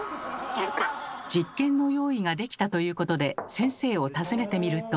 実験の用意ができたということで先生を訪ねてみると。